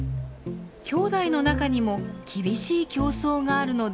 きょうだいの中にも厳しい競争があるのです。